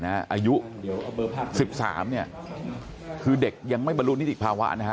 อายุ๑๓เนี่ยคือเด็กยังไม่บรรลุนิติภาวะนะฮะ